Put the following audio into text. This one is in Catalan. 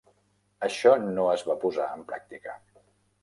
Això no es va posar en pràctica.